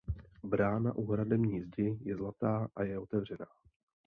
Brána u hradební zdi je zlatá a je otevřená.